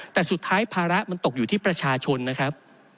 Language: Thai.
แต่สุดท้ายภาระมันตกอยู่ที่ประชาชนนะครับ